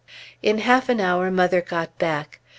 In half an hour mother got back.